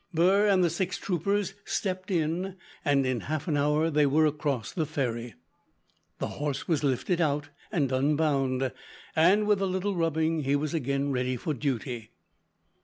Burr and the six troopers stepped in, and in half an hour they were across the ferry. The horse was lifted out, and unbound, and with a little rubbing he was again ready for duty.